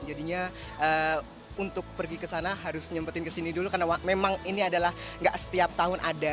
jadinya untuk pergi ke sana harus nyempetin kesini dulu karena memang ini adalah gak setiap tahun ada